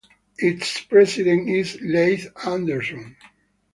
Its president is Leith Anderson.